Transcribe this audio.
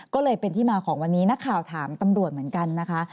ก็เลยเป็นที่มาของวันนี้นักข่าวถามตำรวจเหมือนกันนะคะ